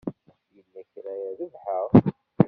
Yell kra i rebḥeɣ?